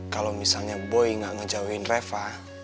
kalau misalnya boy gak ngejauhin reva